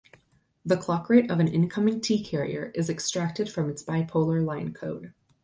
The clock rate of an incoming T-carrier is extracted from its bipolar line code.